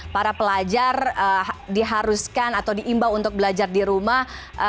para pelajar diharuskan atau diimbau untuk belajar di rumah